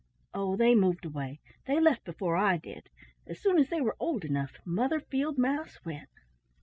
"Oh, they moved away. They left before I did. As soon as they were old enough, Mother Field mouse went.